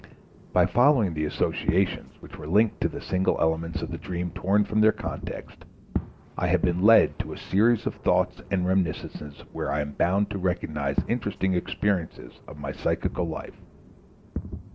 By following the associations which were linked to the single elements of the dream torn from their context, I have been led to a series of thoughts and reminiscences where I am bound to recognize interesting expressions of my psychical life.